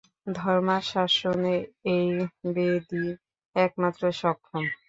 ধর্মশাসনে এই বেদই একমাত্র সক্ষম।